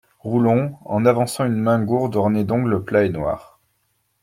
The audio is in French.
Roulon, en avançant une main gourde ornée d'ongles plats et noirs.